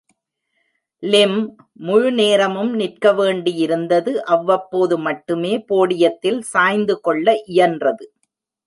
Lim முழு நேரமும் நிற்கவேண்டியிருந்தது, அவ்வப்போதுமட்டுமே போடியத்தில் சாய்ந்துகொள்ள இயன்றது.